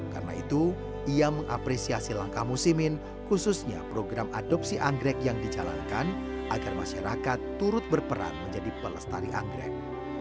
karena itu ia mengapresiasi langkah musimin khususnya program adopsi anggrek yang dijalankan agar masyarakat turut berperan menjadi pelestari anggrek